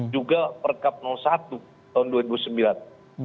juga perkap satu tahun dua ribu sembilan